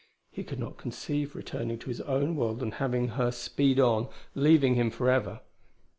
He could not conceive returning to his own world and having her speed on, leaving him forever.